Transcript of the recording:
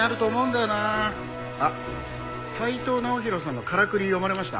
あっ斉藤直弘さんの『からくり』読まれました？